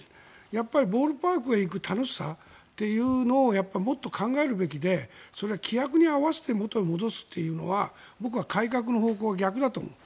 やっぱりボールパークへ行く楽しさというのをもっと考えるべきで規約に合わして元へ戻すというのは僕は改革の方向が逆だと思う。